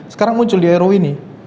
sekarang muncul di ero ini